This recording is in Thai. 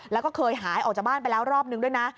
แล้วก็เคยหายออกจากบ้านไปแล้วรอบนึงด้วยนะ